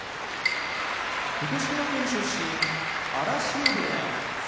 福島県出身荒汐部屋